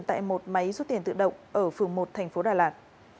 tại một máy rút tiền tự động ở phường một tp đà lạt